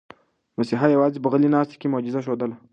مسیحا یوازې په غلې ناسته کې معجزه ښودله.